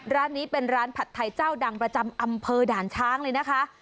ร้านนี้เป็นร้านผัดไทยเจ้าดังประจำอำเภอด่านช้างเลยนะคะ